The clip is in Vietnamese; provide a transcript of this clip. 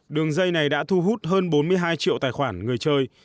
đường dây này đã thu hút hơn bốn mươi hai triệu tài khoản người chơi